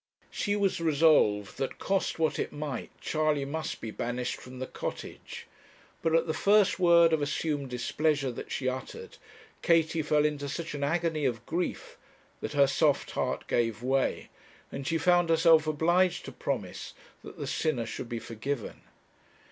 She was resolved that, cost what it might, Charley must be banished from the Cottage. But at the first word of assumed displeasure that she uttered, Katie fell into such an agony of grief that her soft heart gave way, and she found herself obliged to promise that the sinner should be forgiven.